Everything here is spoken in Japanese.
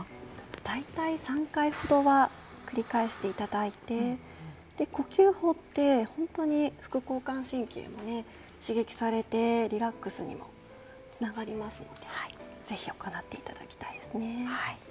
大体３回ほどは繰り返していただいて呼吸法って本当に副交感神経も刺激されてリラックスにもつながりますのでぜひ行っていただきたいですね。